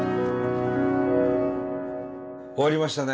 終わりましたね。